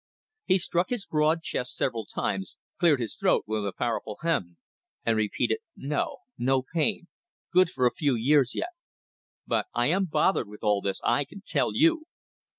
He struck his broad chest several times, cleared his throat with a powerful "Hem!" and repeated: "No. No pain. Good for a few years yet. But I am bothered with all this, I can tell you!"